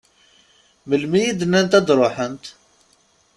Melmi i d-nnant ad d-ruḥent?